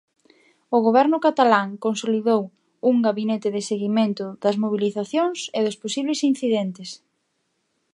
O Goberno catalán consolidou un gabinete de seguimento das mobilizacións e dos posibles incidentes.